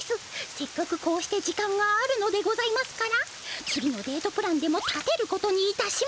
せっかくこうして時間があるのでございますから次のデートプランでも立てることにいたしましょう！